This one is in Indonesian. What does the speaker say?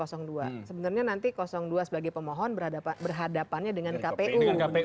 sebenarnya nanti dua sebagai pemohon berhadapannya dengan kpu